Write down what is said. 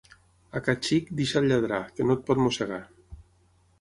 A ca xic, deixa'l lladrar, que no et pot mossegar.